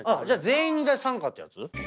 全員参加ってやつ？